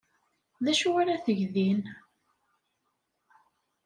D acu ara teg din?